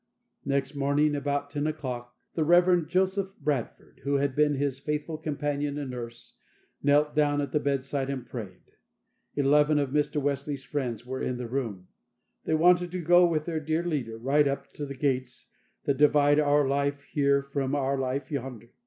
Next morning, about ten o'clock, the Rev. Joseph Bradford, who had been his faithful companion and nurse, knelt down at the bedside and prayed. Eleven of Mr. Wesley's friends were in the room; they wanted to go with their dear leader, right up to the gates that divide our life here from our life yonder.